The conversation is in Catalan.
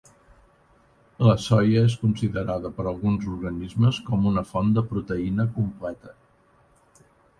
La soia és considerada per alguns organismes com una font de proteïna completa.